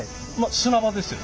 砂場ですよね。